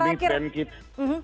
kalau mid band gitu